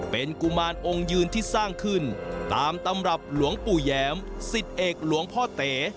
เป็นกุมารองค์ยืนที่สร้างขึ้นตามตำรับหลวงปู่แย้มสิทธิเอกหลวงพ่อเต๋